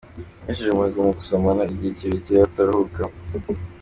Besheje umuhigo mu gusomana igihe kirekire bataruhuka